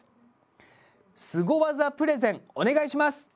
スゴ技プレゼンお願いします。